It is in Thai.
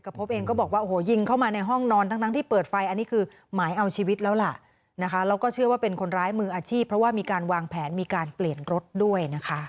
พบเองก็บอกว่าโอ้โหยิงเข้ามาในห้องนอนทั้งที่เปิดไฟอันนี้คือหมายเอาชีวิตแล้วล่ะนะคะแล้วก็เชื่อว่าเป็นคนร้ายมืออาชีพเพราะว่ามีการวางแผนมีการเปลี่ยนรถด้วยนะคะ